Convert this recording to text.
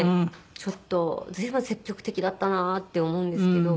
ちょっと随分積極的だったなって思うんですけど。